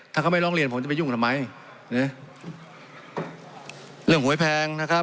ถ้าเขาไม่ร้องเรียนผมจะไปยุ่งทำไมนะเรื่องหวยแพงนะครับ